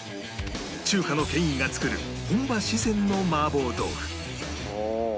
中華の権威が作る本場四川の麻婆豆腐